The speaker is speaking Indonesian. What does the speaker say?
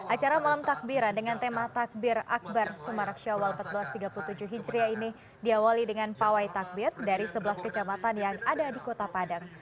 acara malam takbiran dengan tema takbir akbar sumarak syawal seribu empat ratus tiga puluh tujuh hijriah ini diawali dengan pawai takbir dari sebelas kecamatan yang ada di kota padang